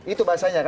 itu bahasanya kan